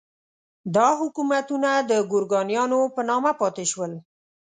دا حکومتونه د ګورکانیانو په نامه پاتې شول.